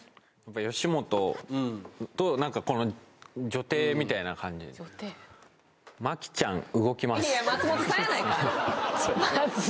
吉本と何かこの女帝みたいな感じで「マキちゃん、動きます。」いや松本さんやないか！